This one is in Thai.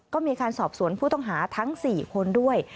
ก็มีการสอบสวนผู้ต้องหาทั้ง๔คนด้วย